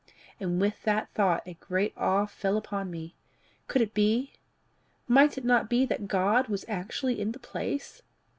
And with the thought, a great awe fell upon me: could it be might it not be that God was actually in the place?